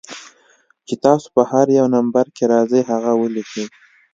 چې تاسو پۀ هر يو نمبر کښې راځئ هغه وليکئ